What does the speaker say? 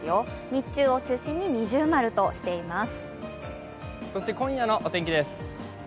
日中を中心に◎としています。